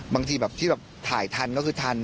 บางทีแบบที่แบบถ่ายทันก็คือทัน